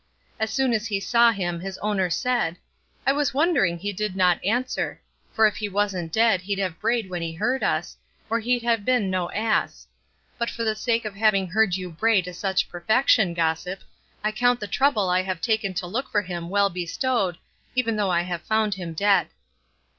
As soon as he saw him his owner said, 'I was wondering he did not answer, for if he wasn't dead he'd have brayed when he heard us, or he'd have been no ass; but for the sake of having heard you bray to such perfection, gossip, I count the trouble I have taken to look for him well bestowed, even though I have found him dead.